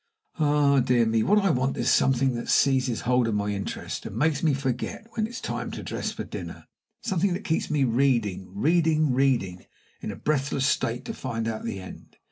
Oh, dear me! what I want is something that seizes hold of my interest, and makes me forget when it is time to dress for dinner something that keeps me reading, reading, reading, in a breathless state to find out the end.